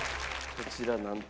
こちらなんと。